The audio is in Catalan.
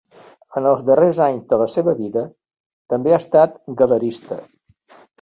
En els darrers anys de la seva vida també ha estat galerista.